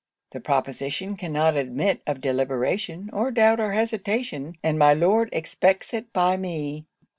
The proposition cannot admit of deliberation, or doubt, or hesitation, and my Lord expects it by me.'